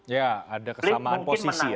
ya ada kesamaan posisi ya